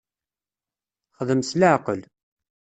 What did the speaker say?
Xdem s leɛqel.